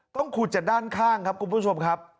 ต้องขุดจากด้านข้างครับคุณผู้ชมครับ